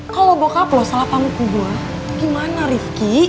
kalau bokap lo salah panggung gue gimana rifqi